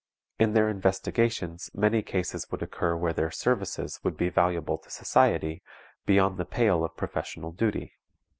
In their investigations many cases would occur where their services would be valuable to society, beyond the pale of professional duty.